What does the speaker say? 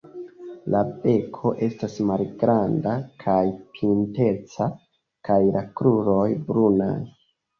La beko estas malgranda kaj pinteca kaj la kruroj brunaj.